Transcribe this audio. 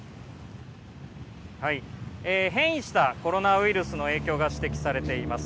変異したコロナウイルスの影響が指摘されています。